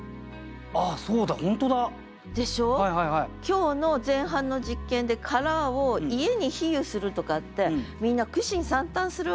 今日の前半の実験で「殻」を「家」に比喩するとかってみんな苦心惨憺するわけよ。